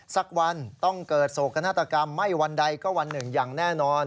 สักวันต้องเกิดโศกนาฏกรรมไม่วันใดก็วันหนึ่งอย่างแน่นอน